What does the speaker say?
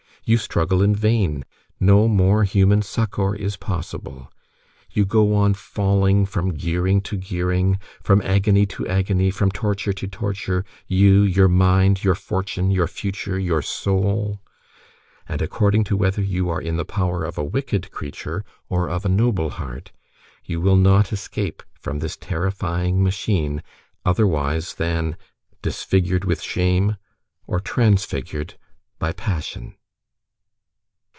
You struggle in vain; no more human succor is possible. You go on falling from gearing to gearing, from agony to agony, from torture to torture, you, your mind, your fortune, your future, your soul; and, according to whether you are in the power of a wicked creature, or of a noble heart, you will not escape from this terrifying machine otherwise than disfigured with shame, or transfigured by passion.